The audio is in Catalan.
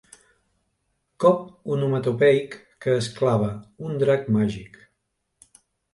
Cop onomatopeic que es clava un drac màgic.